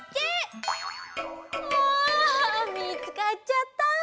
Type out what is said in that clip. ああみつかっちゃった。